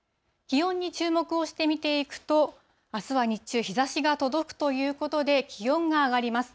気温に注目をして見ていくと、あすは日中、日ざしが届くということで、気温が上がります。